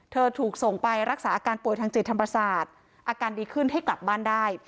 ถูกส่งไปรักษาอาการป่วยทางจิตทางประสาทอาการดีขึ้นให้กลับบ้านได้